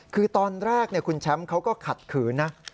คือตอนแรกคุณแชมป์เขาก็ขัดขืนนะ